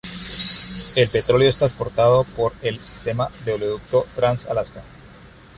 El petróleo es transportado por el Sistema de oleoducto Trans-Alaska.